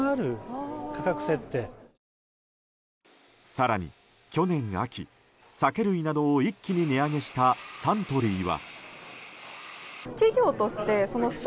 更に去年秋、酒類などを一気に値上げしたサントリーは。